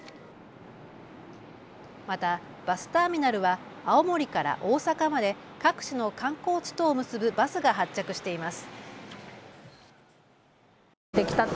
またバスターミナルは青森から大阪まで各地の観光地とを結ぶバスが発着しています。